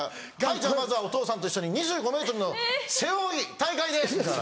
「はいまずはお父さんと一緒に２５ｍの背泳ぎ大会です！」。